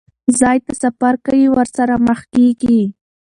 ځای ته سفر کوي، ورسره مخ کېږي.